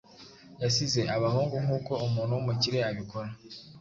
Yasize abahungu nkuko umuntu wumukire abikora